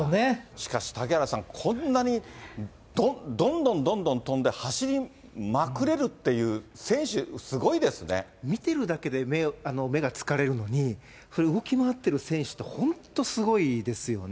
しかし、嵩原さん、こんなにどんどんどんどん跳んで、走りまくれるっていう選手、すご見てるだけで目が疲れるのに、動き回ってる選手って、本当、すごいですよね。